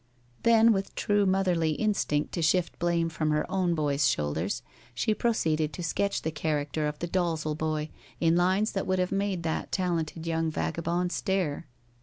Then, with true motherly instinct to shift blame from her own boy's shoulders, she proceeded to sketch the character of the Dalzel boy in lines that would have made that talented young vagabond stare.